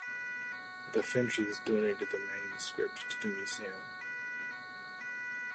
The Finches donated the manuscript to the Museum.